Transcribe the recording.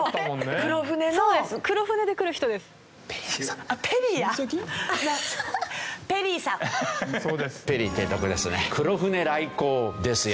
黒船来航ですよ。